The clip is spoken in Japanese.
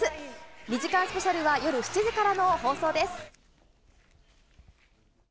２時間スペシャルは夜７時からの放送です。